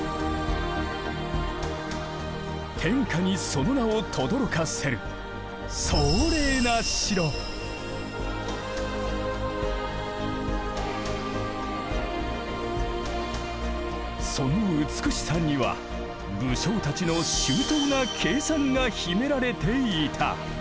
天下にその名をとどろかせるその美しさには武将たちの周到な計算が秘められていた。